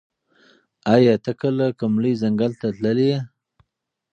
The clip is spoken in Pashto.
ایا ته کله کوم لوی ځنګل ته تللی یې؟